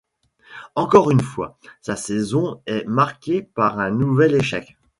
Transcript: Encore une fois, sa saison est marquée par un nouvel échec.